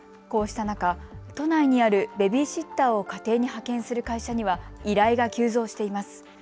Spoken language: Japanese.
こうした中、都内にあるベビーシッターを家庭に派遣する会社には依頼が急増しています。